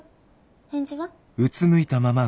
返事は？